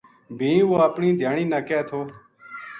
بھی وہ اپنی دھیانی نا کہہ تھو